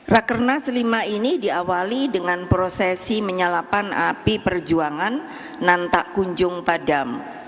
rakernas lima ini diawali dengan prosesi menyalakan api perjuangan nan tak kunjung padam